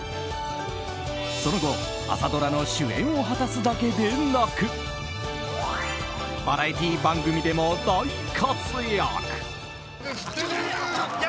その後、朝ドラの主演を果たすだけでなくバラエティー番組でも大活躍。